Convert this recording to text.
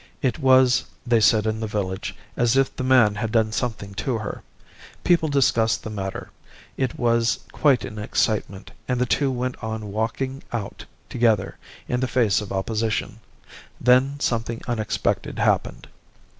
It was, they said in the village, as if the man had done something to her. People discussed the matter. It was quite an excitement, and the two went on 'walking out' together in the face of opposition. Then something unexpected happened.